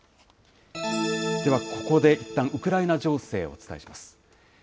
では、ここでいったんウクライナ情勢をお伝えします。